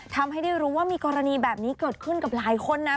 ทำให้ได้รู้ว่ามีกรณีแบบนี้เกิดขึ้นกับหลายคนนะ